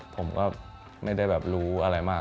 ผมก็ไม่ได้แบบรู้อะไรมาก